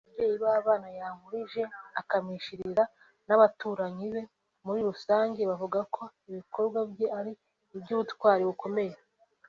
Ababyeyi b’abana Yankurije akamishiriza n’abaturanyi be muri rusange bavuga ko ibikorwa bye ari iby’ubutwari bukomeye